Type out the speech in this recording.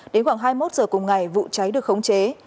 đến khoảng hai mươi một h cùng ngày vụ cháy được khống chế